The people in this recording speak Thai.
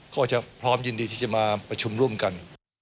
ก็จะพร้อมยินดีที่จะมาประชุมร่วมกัน